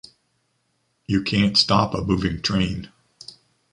You can’t stop a moving train.